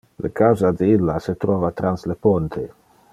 Le casa de illa se trova trans le ponte.